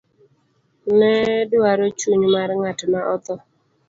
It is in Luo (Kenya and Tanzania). nedwaro chuny mar ng'at ma odho